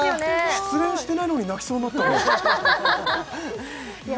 失恋してないのに泣きそうになったもんいや